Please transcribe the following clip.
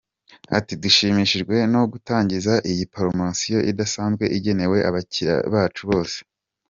Ati” Dushimishijwe no gutangiza iyi poromosiyo idasanzwe igenewe abakilira bacu bose.